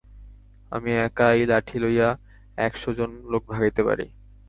আমি একা এই লাঠি লইয়া এক-শ জন লোক ভাগাইতে পারি।